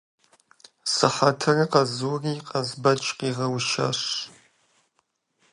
Сыхьэтыр къэзури Къазбэч къигъэушащ.